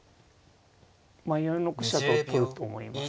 ４六飛車と取ると思います。